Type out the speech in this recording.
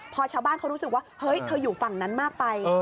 พอชาวบ้านเขารู้สึกว่าเฮ้ยเธออยู่ฝั่งนั้นมากไป